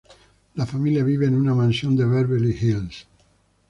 La familia vive en una mansión de Beverly Hills.